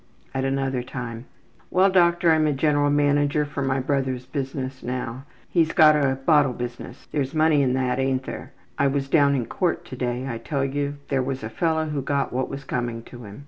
'' At another time: ``Well, doctor, I am general manager for my brother's business now. He's got a bottle business. There's money in that, ain't there? I was down in court to day. I tell you, there was a fellow who got what was coming to him.